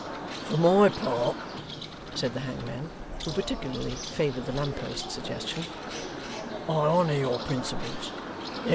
'For my part,' said the hangman, who particularly favoured the lamp post suggestion, 'I honour your principles.